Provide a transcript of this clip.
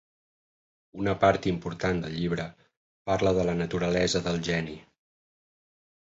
Una part important del llibre parla de la naturalesa del geni.